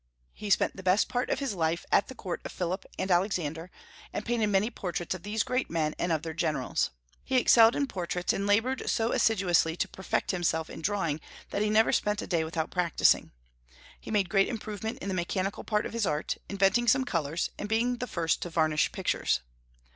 He spent the best part of his life at the court of Philip and Alexander, and painted many portraits of these great men and of their generals. He excelled in portraits, and labored so assiduously to perfect himself in drawing that he never spent a day without practising. He made great improvement in the mechanical part of his art, inventing some colors, and being the first to varnish pictures.